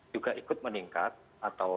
juga ikut meningkat atau